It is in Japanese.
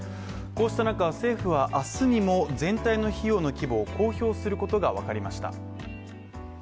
こうした中、政府は明日にも全体の費用の規模を公表することが分かりました。